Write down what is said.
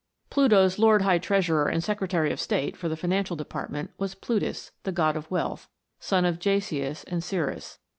Pluto's lord high treasurer and secretary of state for the financial department was Plulus, the God of Wealth, son of Jasius and Ceres.